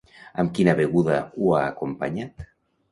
Amb quina beguda ho ha acompanyat?